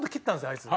あいつ。